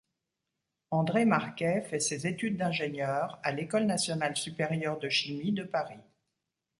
Andrée Marquet fait ses études d'ingénieure à l'École nationale supérieure de chimie de Paris.